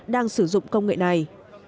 đang sử dụng công nghệ này